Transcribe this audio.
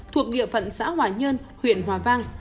thuộc địa phận xã hòa nhơn huyện hòa vang